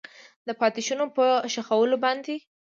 د پاتې شونو په ښخولو باندې